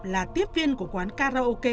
là tiếp viên của quán karaoke